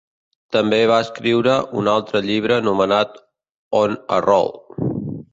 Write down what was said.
També va escriure un altre llibre anomenat On a Roll.